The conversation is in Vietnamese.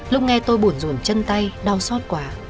lúc nghe tôi buồn dồn chân tay đau xót quá